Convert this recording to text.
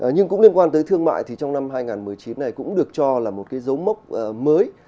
nhưng cũng liên quan tới thương mại thì trong năm hai nghìn một mươi chín này cũng được cho là một cái dấu mốc mới